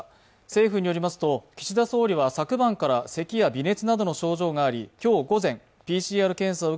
政府によりますと、岸田総理は昨晩からせきや微熱などの症状があり今日午前、ＰＣＲ検査を